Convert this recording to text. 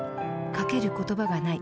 かける言葉がない。